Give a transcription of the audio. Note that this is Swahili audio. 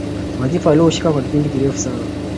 Wadhifa alioushikilia kwa kipindi kirefu sana